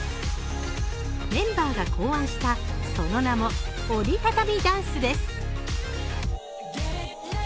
メンバーが考案した、その名も、折りたたみダンスです。